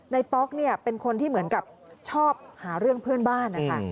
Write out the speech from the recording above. ป๊อกเนี่ยเป็นคนที่เหมือนกับชอบหาเรื่องเพื่อนบ้านนะคะ